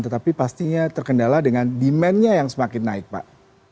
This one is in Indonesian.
tetapi pastinya terkendala dengan demandnya yang semakin naik pak